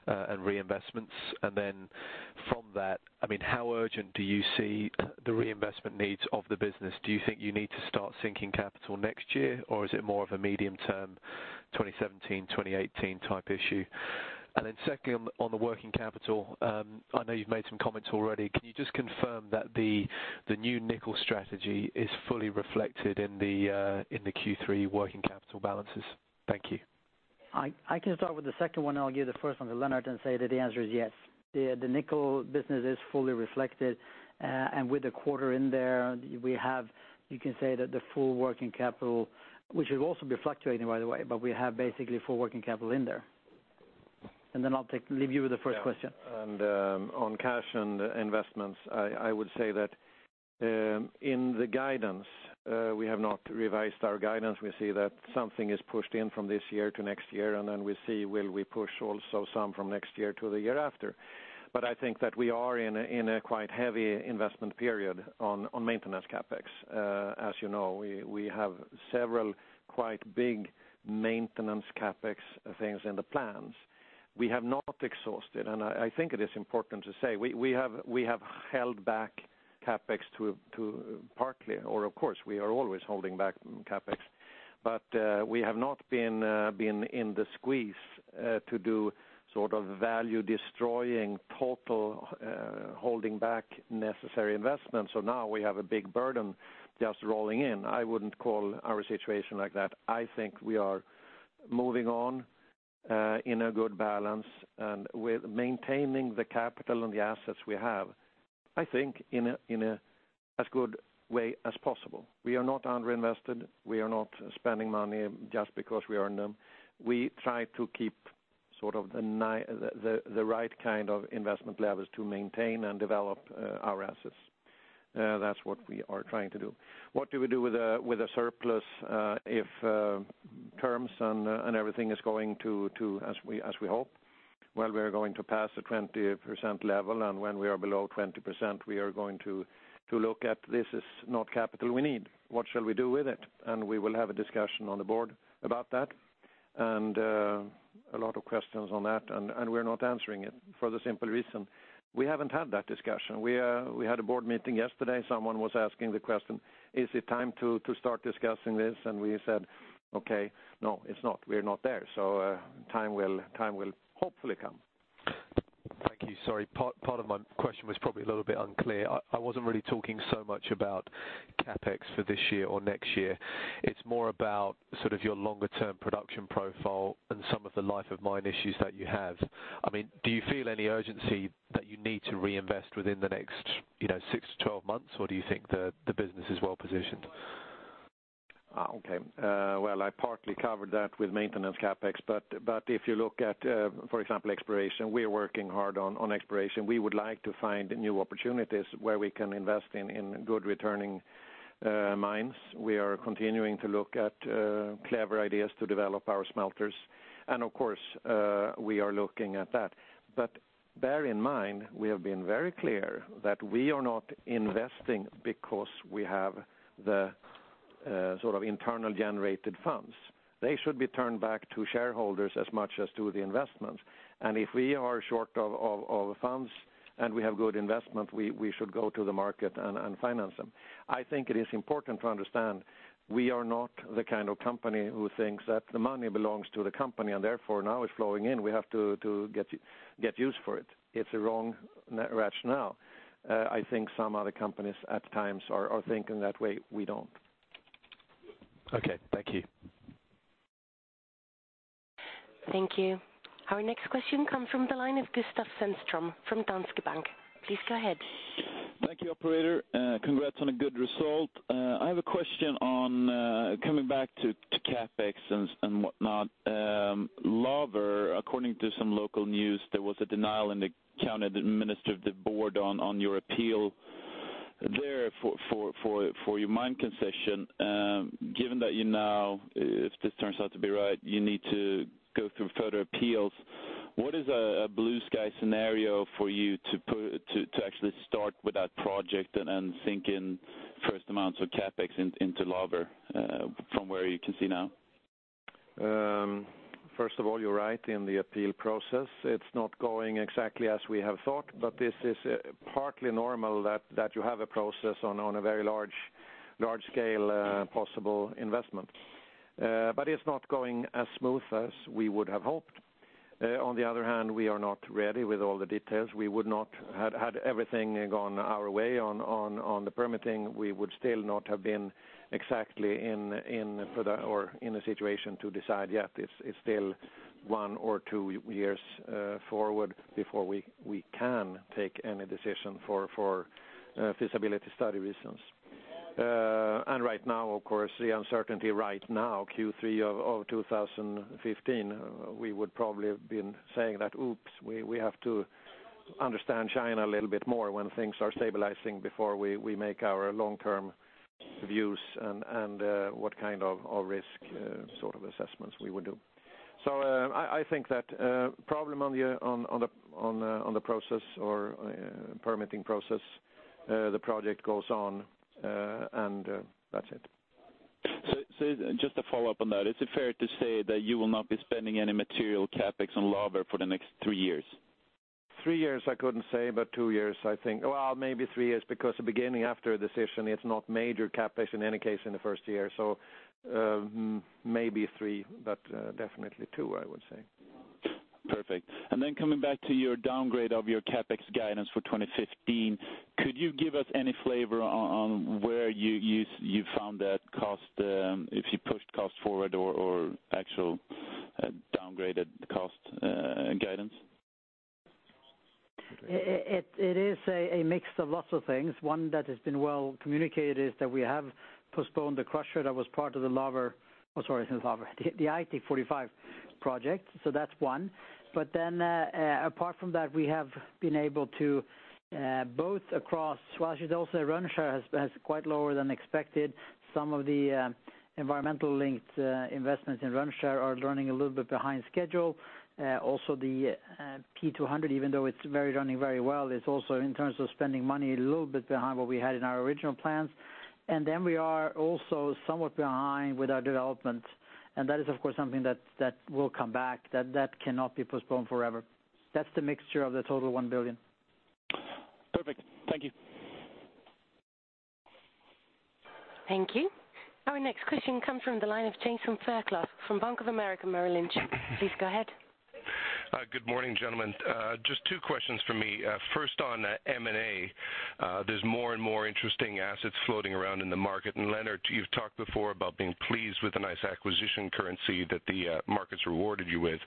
and reinvestments? From that, how urgent do you see the reinvestment needs of the business? Do you think you need to start sinking capital next year, or is it more of a medium-term 2017, 2018 type issue? Secondly, on the working capital. I know you've made some comments already. Can you just confirm that the new nickel strategy is fully reflected in the Q3 working capital balances? Thank you. I can start with the second one, I'll give the first one to Lennart and say that the answer is yes. The nickel business is fully reflected, with the quarter in there, we have you can say that the full working capital, which will also be fluctuating, by the way, we have basically full working capital in there. I'll leave you with the first question. Yeah. On cash and investments, I would say that in the guidance, we have not revised our guidance. We see that something is pushed in from this year to next year, we see will we push also some from next year to the year after. I think that we are in a quite heavy investment period on maintenance CapEx. As you know, we have several quite big maintenance CapEx things in the plans. We have not exhausted, I think it is important to say, we have held back CapEx to partly, or of course we are always holding back CapEx. We have not been in the squeeze to do sort of value destroying total holding back necessary investments, so now we have a big burden just rolling in. I wouldn't call our situation like that. I think we are moving on in a good balance and with maintaining the capital and the assets we have, I think, in as good way as possible. We are not under-invested. We are not spending money just because we earn them. We try to keep sort of the right kind of investment levels to maintain and develop our assets. That's what we are trying to do. What do we do with a surplus if terms and everything is going to as we hope? We are going to pass the 20% level, when we are below 20%, we are going to look at this as not capital we need. What shall we do with it? We will have a discussion on the board about that. A lot of questions on that, we are not answering it for the simple reason we haven't had that discussion. We had a board meeting yesterday. Someone was asking the question, "Is it time to start discussing this?" We said, "Okay. No, it's not. We are not there." Time will hopefully come. Thank you. Sorry, part of my question was probably a little bit unclear. I wasn't really talking so much about CapEx for this year or next year. It's more about sort of your longer-term production profile and some of the life of mine issues that you have. Do you feel any urgency that you need to reinvest within the next six to 12 months, or do you think the business is well-positioned? Okay. Well, I partly covered that with maintenance CapEx, but if you look at, for example, exploration, we are working hard on exploration. We would like to find new opportunities where we can invest in good returning mines. We are continuing to look at clever ideas to develop our smelters. Of course, we are looking at that. Bear in mind, we have been very clear that we are not investing because we have the internal generated funds. They should be turned back to shareholders as much as to the investments. If we are short of funds and we have good investment, we should go to the market and finance them. I think it is important to understand, we are not the kind of company who thinks that the money belongs to the company, and therefore now it's flowing in, we have to get use for it. It's a wrong rationale. I think some other companies at times are thinking that way. We don't. Okay. Thank you. Thank you. Our next question comes from the line of Gustaf Sundström from Danske Bank. Please go ahead. Thank you, operator. Congrats on a good result. I have a question on coming back to CapEx and whatnot. Laver, according to some local news, there was a denial in the counter, the minister of the board on your appeal there for your mine concession. Given that you now, if this turns out to be right, you need to go through further appeals, what is a blue sky scenario for you to actually start with that project and sink in first amounts of CapEx into Laver from where you can see now? First of all, you're right in the appeal process. It's not going exactly as we have thought, but this is partly normal that you have a process on a very large scale possible investment. It's not going as smooth as we would have hoped. On the other hand, we are not ready with all the details. Had everything gone our way on the permitting, we would still not have been exactly in a situation to decide yet. It's still one or two years forward before we can take any decision for feasibility study reasons. Right now, of course, the uncertainty right now, Q3 2015, we would probably have been saying that, "Oops, we have to understand China a little bit more when things are stabilizing before we make our long-term views and what kind of risk assessments we would do." I think that problem on the process or permitting process, the project goes on, and that's it. Just to follow up on that, is it fair to say that you will not be spending any material CapEx on Laver for the next three years? Three years I couldn't say, but two years I think. Well, maybe three years, because the beginning after a decision, it's not major CapEx in any case in the first year, so maybe three, but definitely two, I would say. Perfect. Coming back to your downgrade of your CapEx guidance for 2015, could you give us any flavor on where you found that cost? If you pushed cost forward or actual downgraded cost guidance? It is a mix of lots of things. One that has been well communicated is that we have postponed the crusher that was part of the Aitik 45 project. That's one. Apart from that, we have been able to both across [Bergsöe], also Rönnskär has quite lower than expected. Some of the environmental linked investments in Rönnskär are running a little bit behind schedule. Also the P200, even though it's running very well, it is also in terms of spending money, a little bit behind what we had in our original plans. We are also somewhat behind with our development. That is, of course, something that will come back, that cannot be postponed forever. That's the mixture of the total 1 billion. Perfect. Thank you. Thank you. Our next question comes from the line of Jason Ferkler from Bank of America Merrill Lynch. Please go ahead. Good morning, gentlemen. Just two questions from me. First on M&A. There's more and more interesting assets floating around in the market. Lennart, you've talked before about being pleased with the nice acquisition currency that the market's rewarded you with.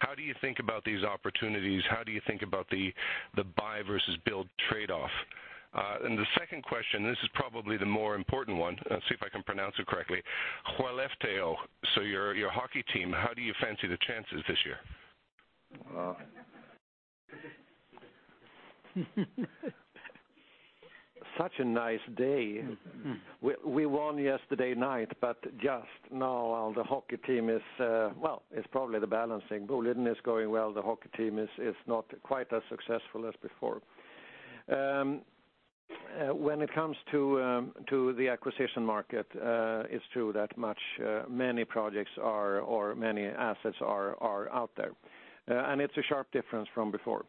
How do you think about these opportunities? How do you think about the buy versus build trade-off? The second question, this is probably the more important one. Let's see if I can pronounce it correctly. Skellefteå, so your hockey team, how do you fancy the chances this year? Such a nice day. We won yesterday night, just now the hockey team is probably the balancing. Boliden is going well. The hockey team is not quite as successful as before. When it comes to the acquisition market, it's true that many projects or many assets are out there. It's a sharp difference from before.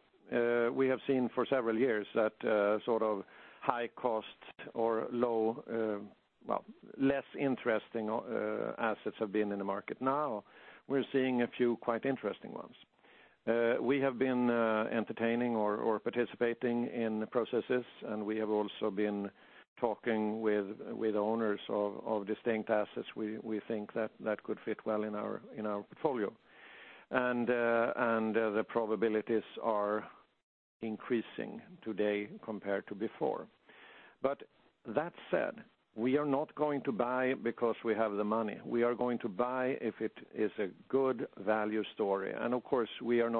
We have seen for several years that sort of high cost or less interesting assets have been in the market. Now we're seeing a few quite interesting ones. We have been entertaining or participating in the processes, and we have also been talking with owners of distinct assets we think that could fit well in our portfolio. The probabilities are increasing today compared to before. That said, we are not going to buy because we have the money. We are going to buy if it is a good value story. Of course, we are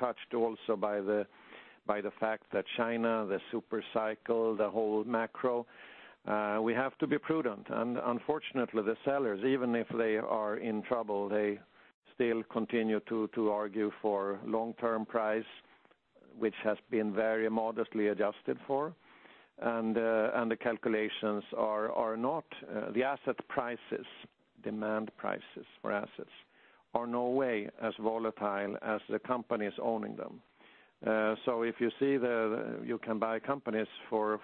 touched also by the fact that China, the super cycle, the whole macro, we have to be prudent. Unfortunately, the sellers, even if they are in trouble, they still continue to argue for long-term price, which has been very modestly adjusted for. The calculations are not the asset prices, demand prices for assets, are no way as volatile as the companies owning them. If you see that you can buy companies for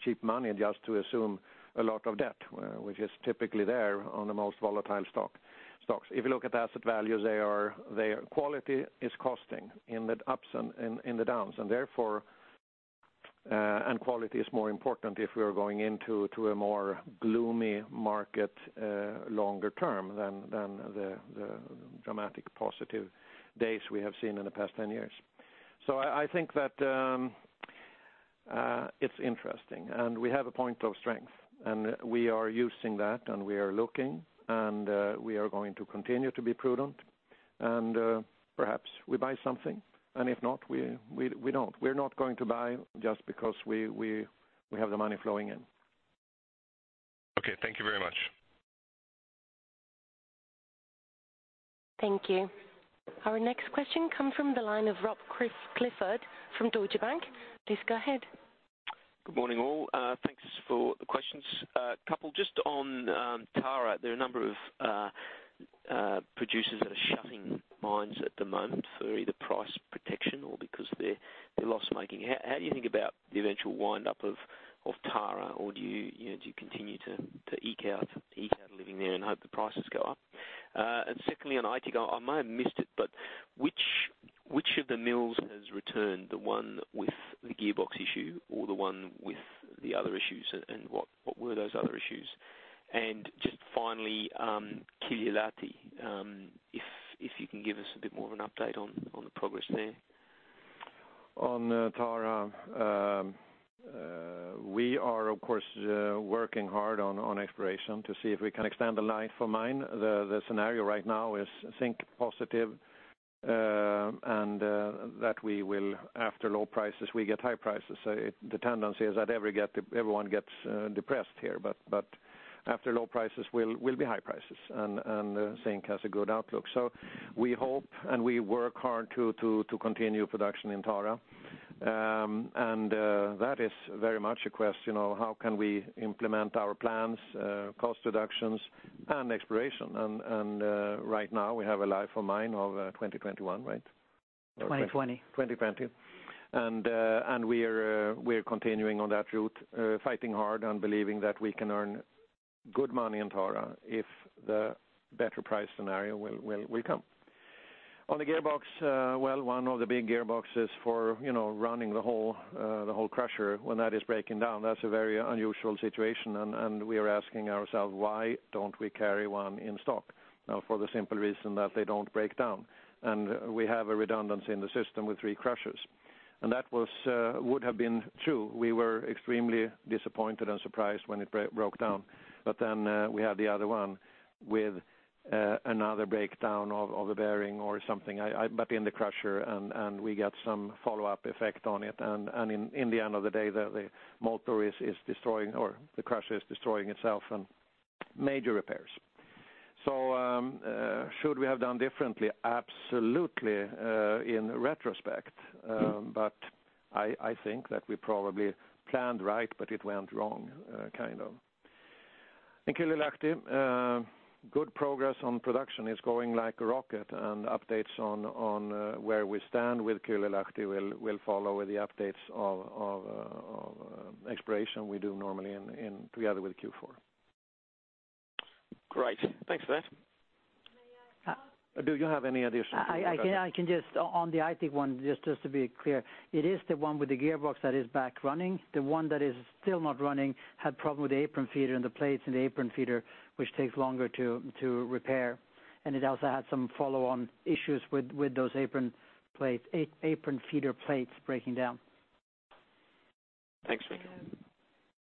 cheap money just to assume a lot of debt, which is typically there on the most volatile stocks. If you look at asset values, quality is costing in the ups and the downs. Quality is more important if we are going into a more gloomy market longer term than the dramatic positive days we have seen in the past 10 years. I think that it's interesting, and we have a point of strength, and we are using that, and we are looking, and we are going to continue to be prudent. Perhaps we buy something, and if not, we don't. We're not going to buy just because we have the money flowing in. Okay. Thank you very much. Thank you. Our next question comes from the line of Rob Clifford from Deutsche Bank. Please go ahead. Good morning, all. Thanks for the questions. A couple just on Tara. There are a number of producers that are shutting mines at the moment for either price protection or because they're loss-making. How do you think about the eventual wind up of Tara, or do you continue to eke out a living there and hope the prices go up? Secondly, on Aitik, I might have missed it, but which of the mills has returned? The one with the gearbox issue or the one with the other issues? What were those other issues? Just finally, Kylylahti. If you can give us a bit more of an update on the progress there. On Tara, we are, of course, working hard on exploration to see if we can extend the life of mine. The scenario right now is zinc positive, and that after low prices, we get high prices. The tendency is that everyone gets depressed here. After low prices will be high prices, and zinc has a good outlook. We hope, and we work hard to continue production in Tara. That is very much a question of how can we implement our plans, cost reductions, and exploration. Right now we have a life of mine of 2021, right? 2020. 2020. We are continuing on that route, fighting hard and believing that we can earn good money in Tara if the better price scenario will come. On the gearbox, well, one of the big gearboxes for running the whole crusher when that is breaking down, that's a very unusual situation. We are asking ourselves why don't we carry one in stock? Now, for the simple reason that they don't break down. We have a redundancy in the system with three crushers. That would have been true. We were extremely disappointed and surprised when it broke down. We had the other one with another breakdown of a bearing or something, but in the crusher, and we got some follow-up effect on it. In the end of the day, the crusher is destroying itself and major repairs. Should we have done differently? Absolutely, in retrospect. I think that we probably planned right, but it went wrong. In Kylylahti, good progress on production. It's going like a rocket. Updates on where we stand with Kylylahti will follow with the updates of exploration we do normally together with Q4. Great. Thanks for that. May I ask. Do you have any addition to that? I can just on the Aitik one, just to be clear, it is the one with the gearbox that is back running. The one that is still not running had problem with the apron feeder and the plates in the apron feeder, which takes longer to repair. It also had some follow-on issues with those apron feeder plates breaking down. Thanks, Mika.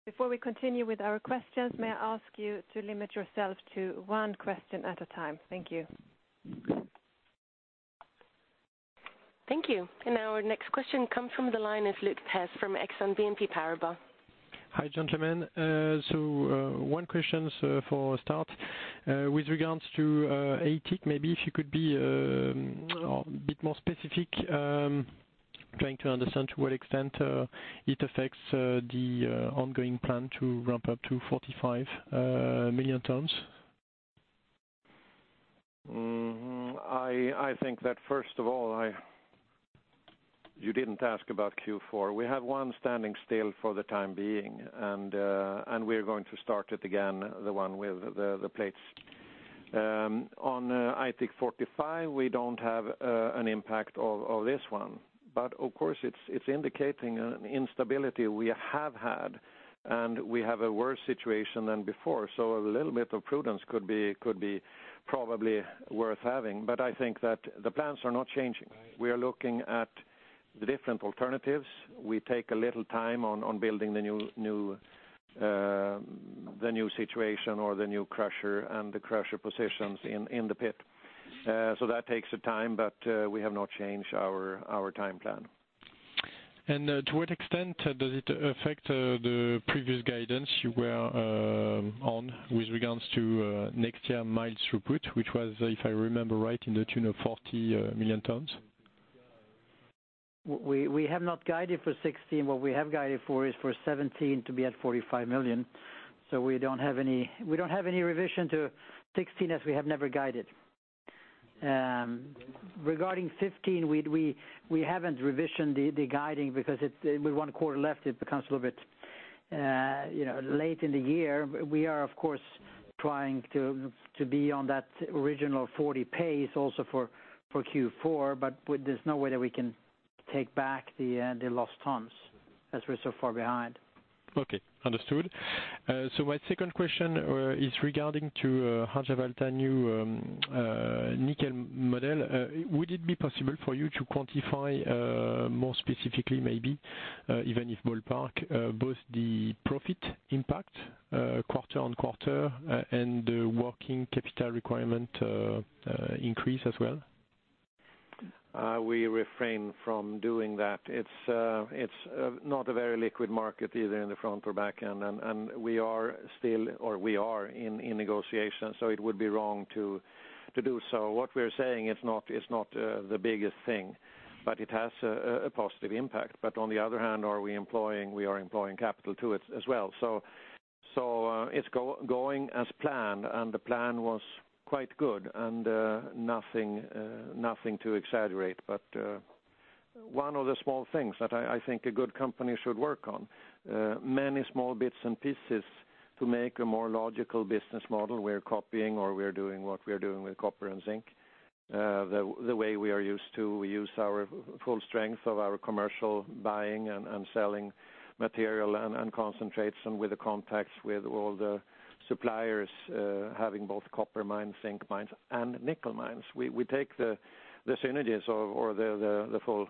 Before we continue with our questions, may I ask you to limit yourself to one question at a time? Thank you. Thank you. Our next question comes from the line is Luc Pez from Exane BNP Paribas. Hi, gentlemen. One question for start. With regards to Aitik, maybe if you could be a bit more specific. Trying to understand to what extent it affects the ongoing plan to ramp up to 45 million tons. I think that, first of all, you didn't ask about Q4. We have one standing still for the time being, and we're going to start it again, the one with the plates. On Aitik 45, we don't have an impact of this one. Of course, it's indicating an instability we have had, and we have a worse situation than before. A little bit of prudence could be probably worth having, but I think that the plans are not changing. Right. We are looking at the different alternatives. We take a little time on building the new situation or the new crusher and the crusher positions in the pit. That takes time, but we have not changed our time plan. To what extent does it affect the previous guidance you were on with regards to next year mines throughput, which was, if I remember right, in the tune of 40 million tons? We have not guided for 2016. What we have guided for is for 2017 to be at 45 million. We don't have any revision to 2016 as we have never guided. Regarding 2015, we haven't revisioned the guiding because with one quarter left, it becomes a little bit late in the year. We are, of course, trying to be on that original 40 pace also for Q4, but there's no way that we can take back the lost tons as we're so far behind. Okay, understood. My second question is regarding to Harjavalta new nickel model. Would it be possible for you to quantify more specifically maybe, even if ballpark, both the profit impact quarter on quarter and the working capital requirement increase as well? We refrain from doing that. It's not a very liquid market either in the front or back end, we are in negotiations, it would be wrong to do so. It's not the biggest thing, but it has a positive impact. On the other hand, we are employing capital to it as well. It's going as planned, the plan was quite good and nothing to exaggerate. One of the small things that I think a good company should work on, many small bits and pieces to make a more logical business model. We're copying or we're doing what we're doing with copper and zinc the way we are used to. We use our full strength of our commercial buying and selling material and concentrates and with the contacts with all the suppliers having both copper mines, zinc mines, and nickel mines. We take the synergies or the full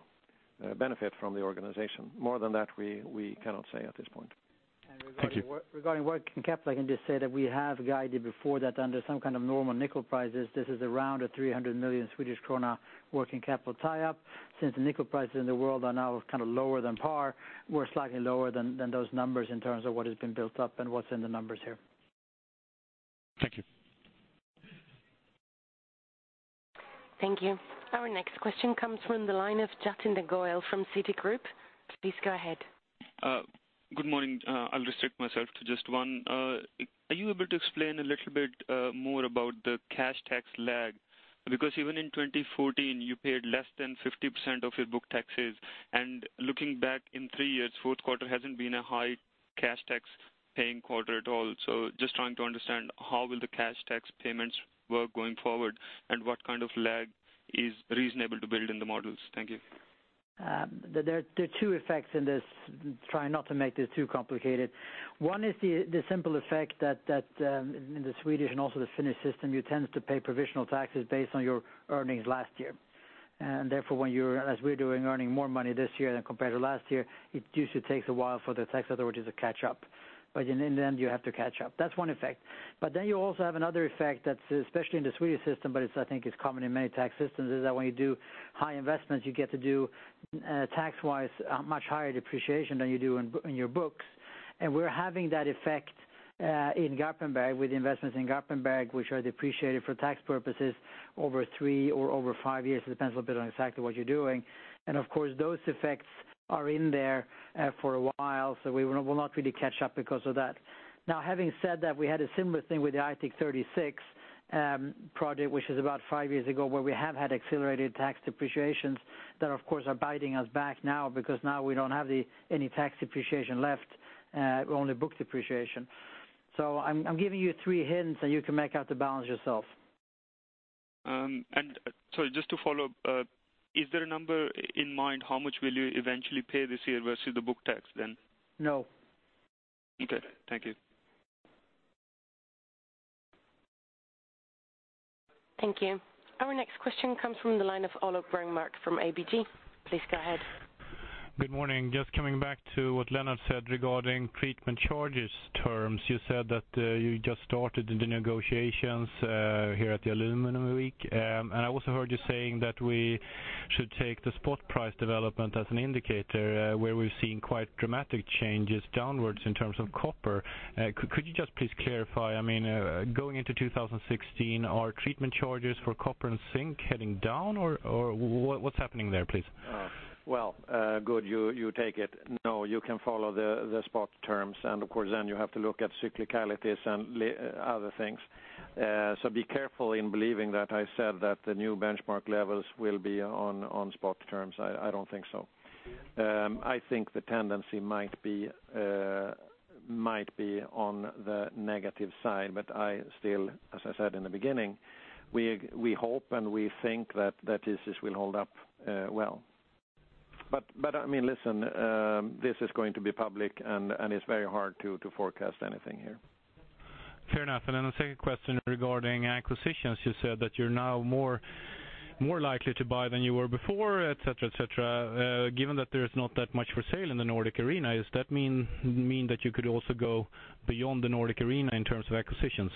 benefit from the organization. More than that, we cannot say at this point. Thank you. Regarding working capital, I can just say that we have guided before that under some kind of normal nickel prices, this is around a 300 million Swedish krona working capital tie-up. Since the nickel prices in the world are now kind of lower than par, we're slightly lower than those numbers in terms of what has been built up and what's in the numbers here. Thank you. Thank you. Our next question comes from the line of Jatinder Goel from Citigroup. Please go ahead. Good morning. I'll restrict myself to just one. Are you able to explain a little bit more about the cash tax lag? Because even in 2014, you paid less than 50% of your book taxes. Looking back in three years, fourth quarter hasn't been a high cash tax paying quarter at all. Just trying to understand how will the cash tax payments work going forward and what kind of lag is reasonable to build in the models. Thank you. There are two effects in this. Try not to make this too complicated. One is the simple effect that in the Swedish and also the Finnish system, you tend to pay provisional taxes based on your earnings last year. Therefore, when you're, as we're doing, earning more money this year than compared to last year, it usually takes a while for the tax authorities to catch up. In the end, you have to catch up. That's one effect. You also have another effect that's especially in the Swedish system, but it's I think is common in many tax systems, is that when you do high investments, you get to do, tax wise, much higher depreciation than you do in your books. We're having that effect in Garpenberg with the investments in Garpenberg, which are depreciated for tax purposes over three or over five years. It depends a little bit on exactly what you're doing. Of course, those effects are in there for a while, so we will not really catch up because of that. Having said that, we had a similar thing with the Aitik 36 project, which is about five years ago, where we have had accelerated tax depreciations that of course are biting us back now because now we don't have any tax depreciation left, only book depreciation. I'm giving you three hints, and you can make out the balance yourself. Sorry, just to follow up, is there a number in mind? How much will you eventually pay this year versus the book tax then? No. Okay. Thank you. Thank you. Our next question comes from the line of Olof Grenmark from ABG. Please go ahead. Good morning. Just coming back to what Lennart said regarding treatment charges terms. You said that you just started the negotiations here at the LME week. I also heard you saying that we should take the spot price development as an indicator where we've seen quite dramatic changes downwards in terms of copper. Could you just please clarify, going into 2016, are treatment charges for copper and zinc heading down or what's happening there, please? Well, good you take it. No, you can follow the spot terms and of course you have to look at cyclicalities and other things. Be careful in believing that I said that the new benchmark levels will be on spot terms. I don't think so. I think the tendency might be on the negative side, I still, as I said in the beginning, we hope and we think that this will hold up well. Listen, this is going to be public, it's very hard to forecast anything here. Fair enough. The second question regarding acquisitions, you said that you're now more likely to buy than you were before, et cetera. Given that there's not that much for sale in the Nordic arena, does that mean that you could also go beyond the Nordic arena in terms of acquisitions?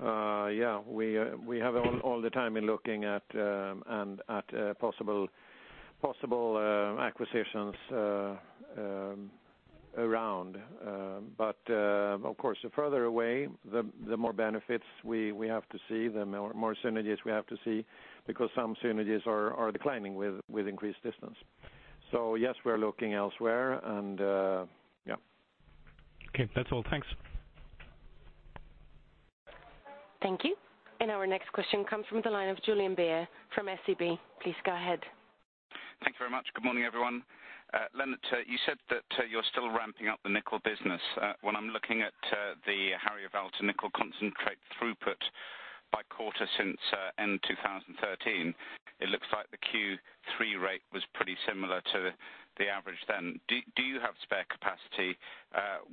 Yeah, we have all the time been looking at possible acquisitions around. Of course, the further away, the more benefits we have to see, the more synergies we have to see, because some synergies are declining with increased distance. Yes, we are looking elsewhere. Okay. That's all. Thanks. Thank you. Our next question comes from the line of Julien Bear from SEB. Please go ahead. Thanks very much. Good morning, everyone. Lennart, you said that you're still ramping up the nickel business. When I'm looking at the Harjavalta nickel concentrate throughput by quarter since end 2013, it looks like the Q3 rate was pretty similar to the average then. Do you have spare capacity?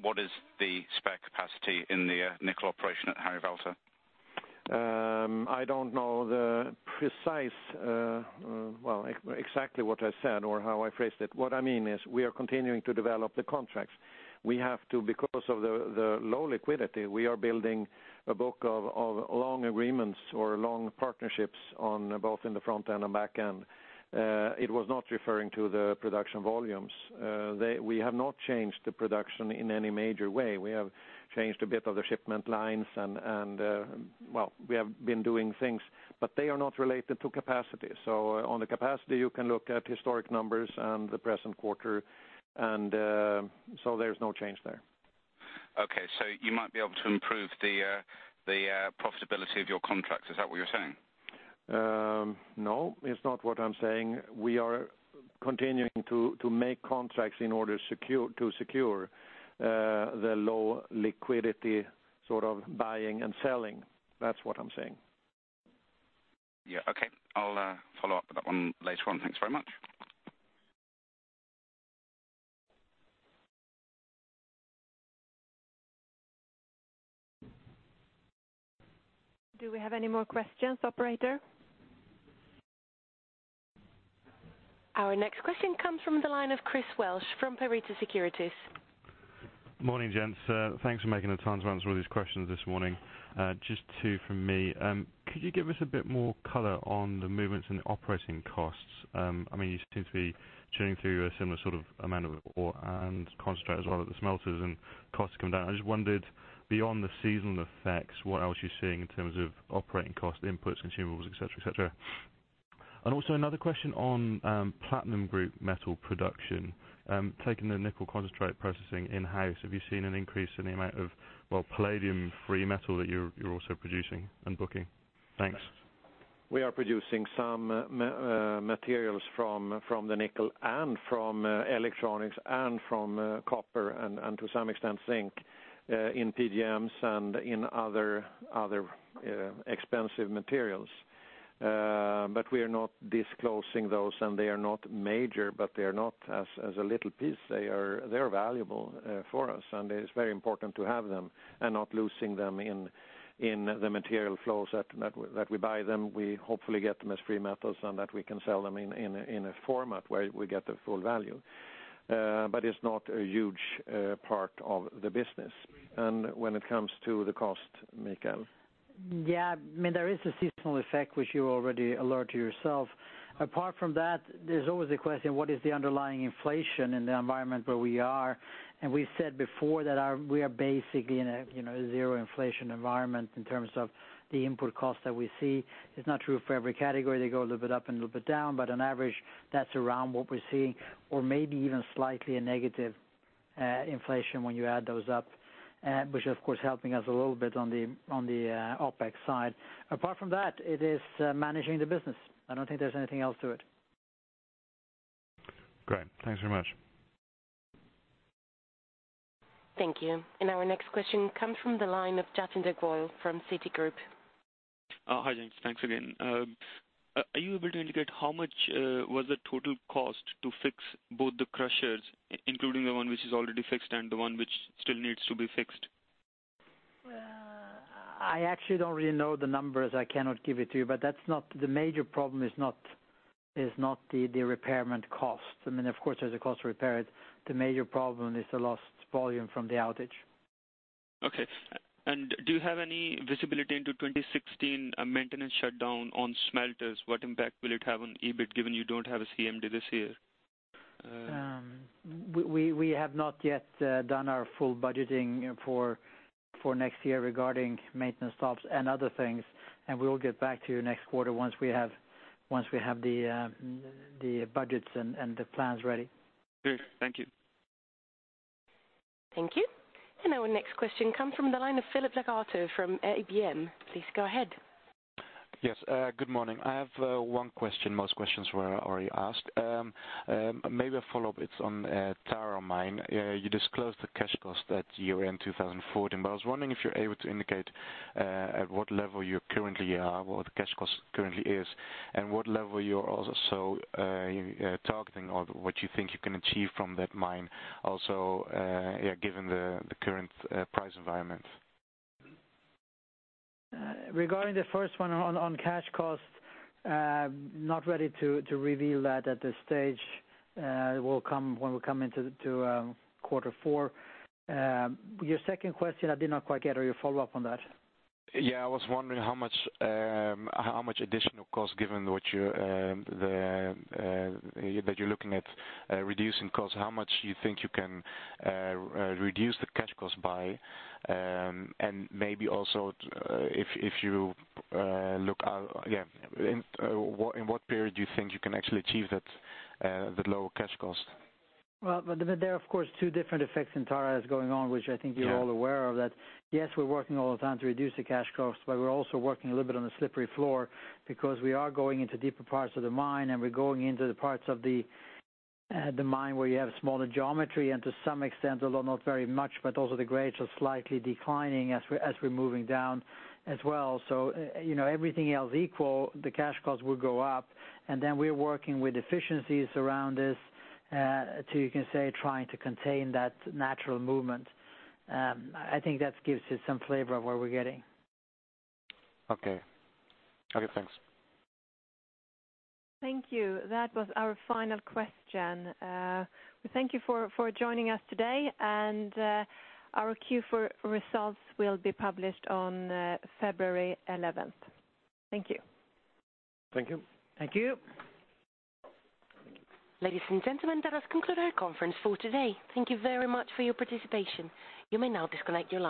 What is the spare capacity in the nickel operation at Harjavalta? I don't know the precise, exactly what I said or how I phrased it. What I mean is we are continuing to develop the contracts. We have to because of the low liquidity. We are building a book of long agreements or long partnerships both in the front end and back end. It was not referring to the production volumes. We have not changed the production in any major way. We have changed a bit of the shipment lines, and we have been doing things, but they are not related to capacity. On the capacity, you can look at historic numbers and the present quarter. There's no change there. Okay, you might be able to improve the profitability of your contracts, is that what you're saying? No, it's not what I'm saying. We are continuing to make contracts in order to secure the low liquidity sort of buying and selling. That's what I'm saying. Yeah. Okay. I'll follow up with that one later on. Thanks very much. Do we have any more questions, operator? Our next question comes from the line of Chris Welsh from Pareto Securities. Morning, gents. Thanks for making the time to answer all these questions this morning. Just two from me. Could you give us a bit more color on the movements in the operating costs? You seem to be churning through a similar sort of amount of ore and concentrate as well at the smelters and costs come down. I just wondered, beyond the seasonal effects, what else you're seeing in terms of operating cost inputs, consumables, et cetera. Also another question on platinum group metal production. Taking the nickel concentrate processing in-house, have you seen an increase in the amount of palladium-free metal that you're also producing and booking? Thanks. We are producing some materials from the nickel and from electronics and from copper and to some extent zinc in PGMs and in other expensive materials. We are not disclosing those, and they are not major, they are not as a little piece, they are valuable for us, and it's very important to have them and not losing them in the material flows that we buy them. We hopefully get them as free metals and that we can sell them in a format where we get the full value. It's not a huge part of the business. When it comes to the cost, Mikael? Yeah, there is a seasonal effect which you already alert to yourself. Apart from that, there's always the question, what is the underlying inflation in the environment where we are? We've said before that we are basically in a zero inflation environment in terms of the input cost that we see. It's not true for every category. They go a little bit up and a little bit down, but on average, that's around what we're seeing, or maybe even slightly a negative inflation when you add those up, which of course helping us a little bit on the OpEx side. Apart from that, it is managing the business. I don't think there's anything else to it. Great. Thanks very much. Thank you. Our next question comes from the line of Jatinder Goel from Citigroup. Hi, gents. Thanks again. Are you able to indicate how much was the total cost to fix both the crushers, including the one which is already fixed and the one which still needs to be fixed? I actually don't really know the numbers. I cannot give it to you, the major problem is not the repairment cost. Of course, there's a cost to repair it. The major problem is the lost volume from the outage. Okay. Do you have any visibility into 2016 maintenance shutdown on smelters? What impact will it have on EBIT given you don't have a CMD this year? We have not yet done our full budgeting for next year regarding maintenance stops and other things, and we will get back to you next quarter once we have the budgets and the plans ready. Great. Thank you. Thank you. Our next question comes from the line of Philip Lacarte from EBM. Please go ahead. Yes. Good morning. I have one question. Most questions were already asked. Maybe a follow-up. It is on Tara mine. You disclosed the cash cost at year-end 2014, but I was wondering if you are able to indicate at what level you currently are, what the cash cost currently is, and what level you are also targeting or what you think you can achieve from that mine also, given the current price environment. Regarding the first one on cash cost, not ready to reveal that at this stage. It will come when we come into quarter four. Your second question, I did not quite get or your follow-up on that. I was wondering how much additional cost given that you are looking at reducing cost, how much you think you can reduce the cash cost by, and maybe also in what period do you think you can actually achieve that lower cash cost? There are of course two different effects in Tara that is going on, which I think you are all aware of that yes, we are working all the time to reduce the cash costs. We are also working a little bit on a slippery floor because we are going into deeper parts of the mine, and we are going into the parts of the mine where you have smaller geometry, and to some extent, although not very much, but also the grades are slightly declining as we are moving down as well. Everything else equal, the cash cost will go up. We are working with efficiencies around this, to you can say trying to contain that natural movement. I think that gives you some flavor of where we are getting. Okay. Thanks. Thank you. That was our final question. Thank you for joining us today. Our Q4 results will be published on February 11th. Thank you. Thank you. Thank you. Ladies and gentlemen, that has concluded our conference for today. Thank you very much for your participation. You may now disconnect your lines.